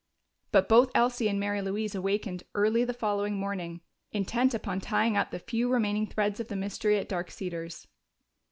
But both Elsie and Mary Louise awakened early the following morning, intent upon tying up the few remaining threads of the mystery at Dark Cedars.